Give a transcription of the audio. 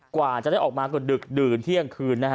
กว่าจะได้ออกมาก็ดึกดื่นเที่ยงคืนนะฮะ